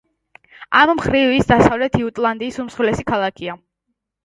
ამ მხრივ ის დასავლეთ იუტლანდიის უმსხვილესი ქალაქია.